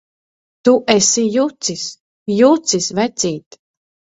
Tu esi jucis! Jucis, vecīt!